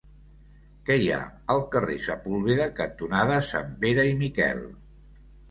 Què hi ha al carrer Sepúlveda cantonada Sanpere i Miquel?